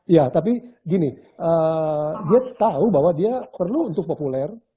ya tapi gini dia tahu bahwa dia perlu untuk populer